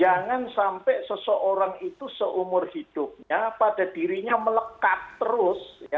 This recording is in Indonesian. jangan sampai seseorang itu seumur hidupnya pada dirinya melekat terus